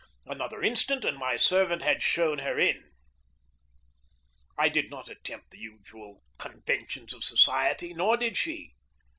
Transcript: Another instant and my servant had shown her in. I did not attempt the usual conventions of society, nor did she.